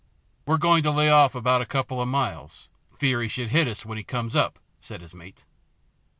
" We're going to lay off about a couple of miles, 'fear he should hit us when he comes up," said his mate.